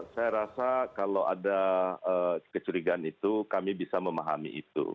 saya rasa kalau ada kecurigaan itu kami bisa memahami itu